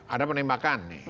ada penembakan nih